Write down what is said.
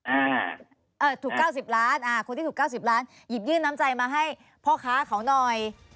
อ่าถูกเก้าสิบล้านอ่าคนที่ถูกเก้าสิบล้านหยิบยื่นน้ำใจมาให้พ่อค้าเขาหน่อย